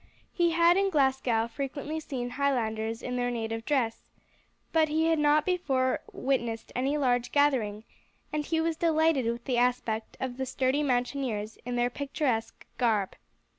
He had in Glasgow frequently seen Highlanders in their native dress, but he had not before witnessed any large gathering, and he was delighted with the aspect of the sturdy mountaineers in their picturesque garb.